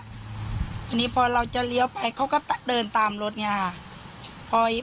ทีนี้พอเราจะเลี้ยวไปเขาก็เดินตามรถไงค่ะ